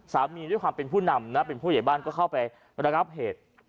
สามีด้วยความเป็นผู้นำผู้ใหญ่บ้านก็เข้าไปรับรับเหตุ